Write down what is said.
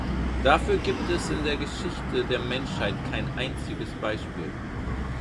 Dafür gibt es in der Geschichte der Menschheit kein einziges Beispiel.